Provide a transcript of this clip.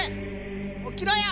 起きろよ！